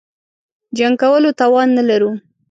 جنګ کولو توان نه لرو.